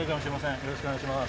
よろしくお願いします。